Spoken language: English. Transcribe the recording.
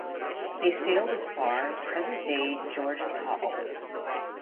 They sailed as far as present day Georges Hall.